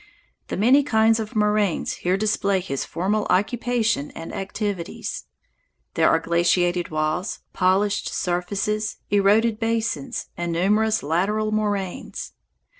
The many kinds of moraines here display his former occupation and activities. There are glaciated walls, polished surfaces, eroded basins, and numerous lateral moraines.